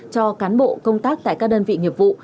cho cán bộ công tác tại các đơn vị nghiệp vụ